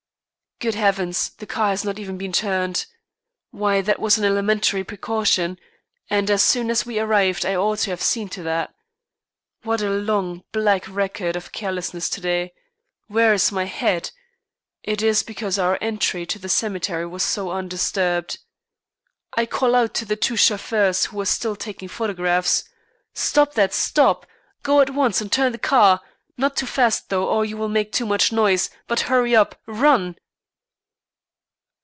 Good heavens, the car has not even been turned! Why, that was an elementary precaution, and as soon as we arrived I ought to have seen to that. What a long, black record of carelessness to day; where is my head? It is because our entry to the cemetery was so undisturbed. I call out to the two chauffeurs who were still taking photographs: "Stop that, stop! Go at once and turn the car! Not too fast though, or you will make too much noise, but hurry up! Run!"